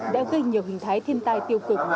đã gây nhiều hình thái thiên tai tiêu cực